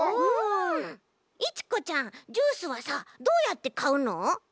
いちこちゃんジュースはさどうやってかうの？